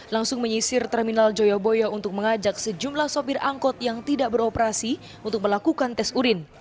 langsung menyisir terminal joyoboyo untuk mengajak sejumlah sopir angkot yang tidak beroperasi untuk melakukan tes urin